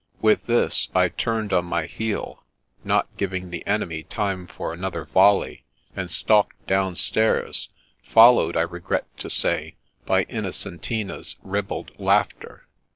With this, I turned on my heel, not giving the enemy time for another volley, and stalked downstairs, followed, I regret to say, by Innocentina's ribald laughter.